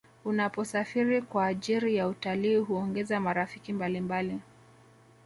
unaposarifiri kwa ajiri ya utalii huongeza marafiki mbalimbali